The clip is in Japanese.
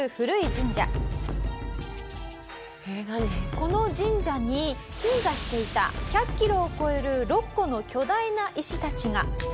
この神社に鎮座していた１００キロを超える６個の巨大な石たちが。